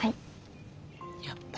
やっぱり。